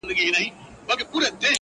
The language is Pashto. نه یې زده کړل له تاریخ څخه پندونه -